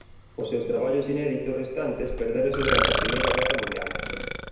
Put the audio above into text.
Os seus traballos inéditos restantes perdéronse durante a Primeira Guerra Mundial.